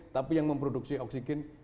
tapi yang memproduksi oksigen